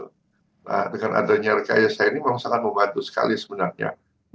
nah dengan adanya rekayasa ini memang sangat membantu sekali sebenarnya